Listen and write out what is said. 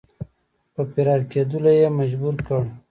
په فرار کېدلو یې مجبور کړ.